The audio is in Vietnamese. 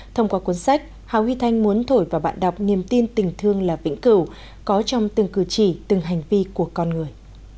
thông qua cuốn sách hà huy thanh muốn thổi vào bạn đọc niềm tin tình thương là vĩnh cửu có trong từng cử chỉ từng hành vi của con người